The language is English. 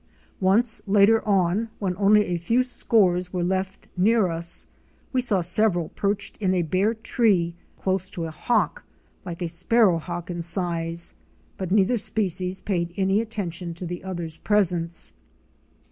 Once later on, when only a few scores were left near us, we saw several perched in a bare tree close to a Hawk, like a Sparrow Hawk in size, but neither species paid any attention to the other's presence.